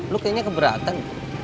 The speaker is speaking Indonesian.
lu kayaknya keberatan